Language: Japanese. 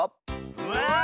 うわ！